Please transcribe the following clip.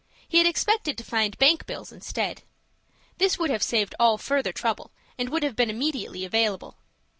He had expected to find bank bills instead. This would have saved all further trouble, and would have been immediately available.